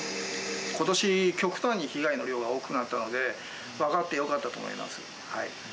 ことし、極端に被害の量が多くなったので、分かってよかったと思います。